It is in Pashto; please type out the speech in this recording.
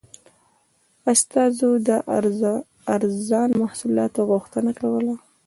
استازو د ارزانه محصولاتو غوښتنه کوله.